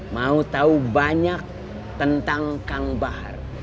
mau tahu banyak tentang kang bahar